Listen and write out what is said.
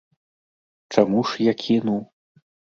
Чаму ж я кінуў?